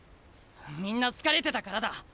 みんな疲れてたからだ。